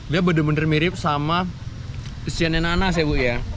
dia bener bener mirip sama isiannya nanas ya bu ya